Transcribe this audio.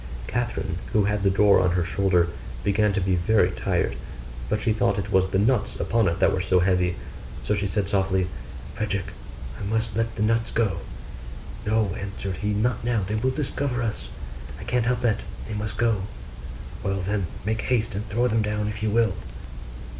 Catherine, who had the door on her shoulder, began to be very tired; but she thought it was the nuts upon it that were so heavy: so she said softly, 'Frederick, I must let the nuts go.' 'No,' answered he, 'not now, they will discover us.' 'I can't help that: they must go.' 'Well, then, make haste and throw them down, if you will.